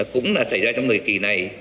cũng là xảy ra trong lời kỳ này